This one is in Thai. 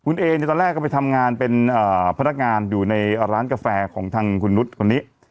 คุณเอเนี่ยตอนแรกก็ไปทำงานเป็นพนักงานอยู่ในร้านกาแฟของทางคุณนุษย์คนนี้